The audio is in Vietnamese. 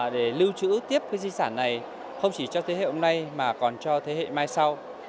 giữ tiếp di sản này không chỉ cho thế hệ hôm nay mà còn cho thế hệ mai sau